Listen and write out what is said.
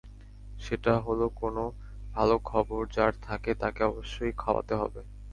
সেটা হলো কোনো ভালো খবর যার থাকে, তাকে অবশ্যই খাওয়াতে হবে।